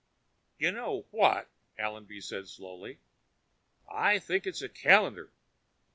"You know what?" Allenby said slowly. "I think it's a calendar!